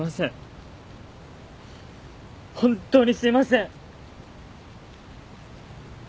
本当にすいません。